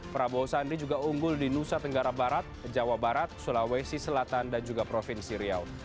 prabowo sandi juga unggul di nusa tenggara barat jawa barat sulawesi selatan dan juga provinsi riau